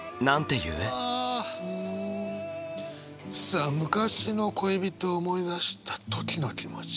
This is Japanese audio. さあ昔の恋人を思い出した時の気持ち。